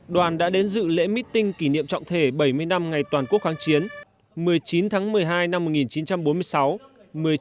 đoàn đã đến dự lễ meeting kỷ niệm trọng thể bảy mươi năm ngày toàn quốc kháng chiến một mươi chín tháng một mươi hai năm một nghìn chín trăm bốn mươi sáu